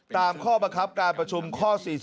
ตามข้อบังคับการประชุมข้อ๔๔